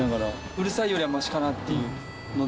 うるさいよりはマシかなっていうので。